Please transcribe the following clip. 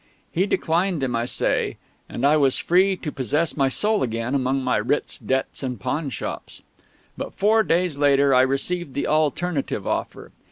He declined them, I say; and I was free to possess my soul again among my writs, debts and pawnshops. But four days later I received the alternative offer.